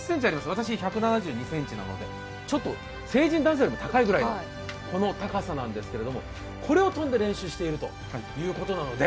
私、１７２ｃｍなので、成人男性よりも高いぐらいこの高さなんですけど、これを跳んで練習しているということです。